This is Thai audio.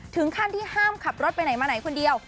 ถึงขั้นที่ห้ามขับรถไปไหนมาไหนคนเดียว